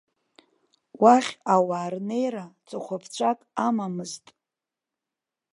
Уахь ауаа рнеира ҵыхәаԥҵәак амамызт.